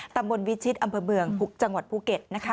ตำบลวิชิตอำเภอเมืองจังหวัดภูเก็ต